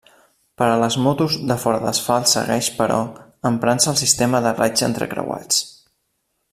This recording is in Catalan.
Per a les motos de fora d'asfalt segueix, però, emprant-se el sistema de raigs entrecreuats.